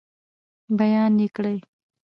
بیان یې کړئ.